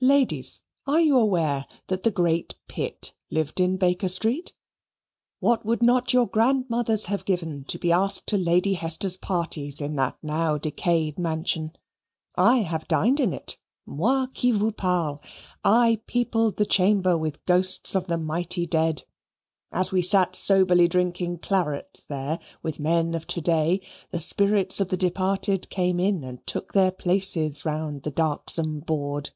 Ladies, are you aware that the great Pitt lived in Baker Street? What would not your grandmothers have given to be asked to Lady Hester's parties in that now decayed mansion? I have dined in it moi qui vous parle, I peopled the chamber with ghosts of the mighty dead. As we sat soberly drinking claret there with men of to day, the spirits of the departed came in and took their places round the darksome board.